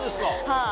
はい。